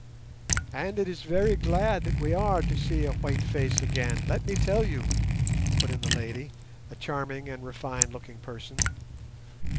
"And it is very glad that we are to see a white face again, let me tell you," put in the lady—a charming and refined looking person.